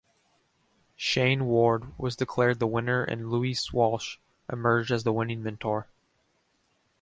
Shayne Ward was declared the winner and Louis Walsh emerged as the winning mentor.